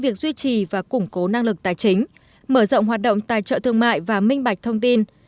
việc duy trì và củng cố năng lực tài chính mở rộng hoạt động tài trợ thương mại và minh bạch thông tin